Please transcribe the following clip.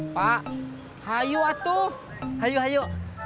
pak hayu atuh hayu hayu